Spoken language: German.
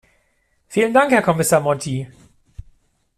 Vielen Dank, Herr Kommissar Monti.